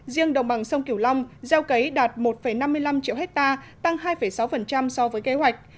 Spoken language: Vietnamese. riêng đồng bằng sông kiểu long gieo cấy đạt một năm mươi năm triệu hectare tăng hai sáu so với kế hoạch